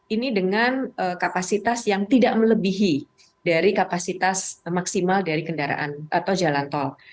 ini dengan kapasitas yang tidak melebihi dari kapasitas maksimal dari kendaraan atau jalan tol